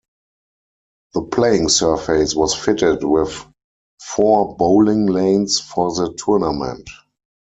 The playing surface was fitted with four bowling lanes for the tournament.